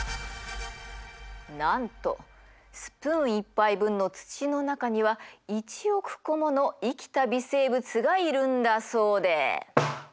なんとスプーン１杯分の土の中には１億個もの生きた微生物がいるんだそうで。